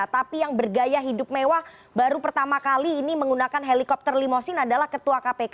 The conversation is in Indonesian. tapi yang bergaya hidup mewah baru pertama kali ini menggunakan helikopter limosin adalah ketua kpk